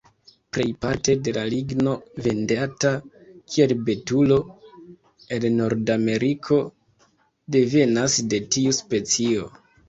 Plejparte de la ligno vendata kiel betulo en Nordameriko devenas de tiu specio.